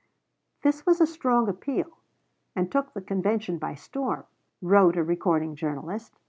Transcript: "This was a strong appeal, and took the convention by storm," wrote a recording journalist.